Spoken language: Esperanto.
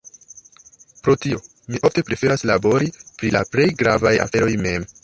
Pro tio, mi ofte preferas labori pri la plej gravaj aferoj mem.